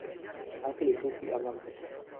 Ángel y Buffy hablan por fin.